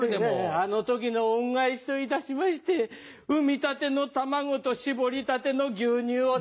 あの時の恩返しといたしまして産みたての卵と搾りたての牛乳を。